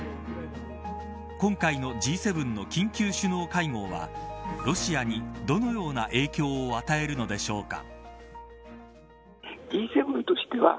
今回のＧ７の緊急首脳会合はロシアにどのような影響を与えるのでしょうか。